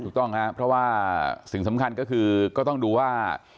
ถูกต้องครับเพราะว่าสิ่งสำคัญก็คือก็ต้องดูว่า